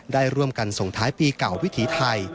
ได้ร่วมกันส่งท้ายปีเก่าวิถีไทย